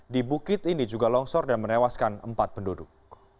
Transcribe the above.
di bukit ini juga longsor dan menewaskan empat penduduk